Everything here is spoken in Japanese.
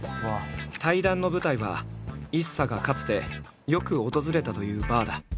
対談の舞台はＩＳＳＡがかつてよく訪れたというバーだ。